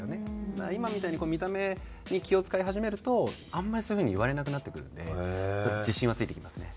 だから今みたいに見た目に気を使い始めるとあんまりそういう風に言われなくなってくるんでやっぱ自信はついてきますね。